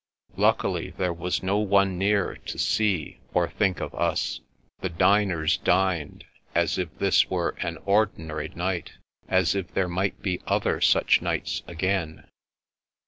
Luckily, there was no one near to see, or think of us. The diners dined, as if this were an ordinary night, as if there might be other such nights again.